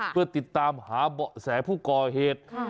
เพื่อติดตามหาเบาะแสผู้ก่อเหตุ